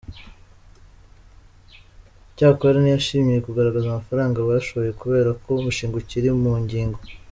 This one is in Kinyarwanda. Icyakora ntiyashimye kugaragaza amafaranga bashoye kubera ko umushinga ukiri mu nyigo.